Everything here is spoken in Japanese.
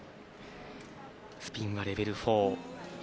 スピンはレベル４。